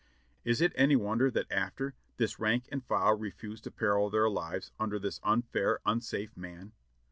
Is it any wonder that after this the rank and file refused to peril their lives under this unfair, unsafe man?